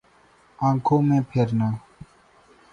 آنکھوں میں پھرنا